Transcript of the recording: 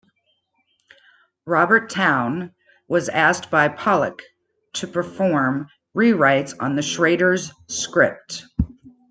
Robert Towne was asked by Pollack to perform rewrites on the Schraders' script.